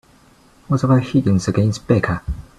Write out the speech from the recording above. What about Higgins against Becca?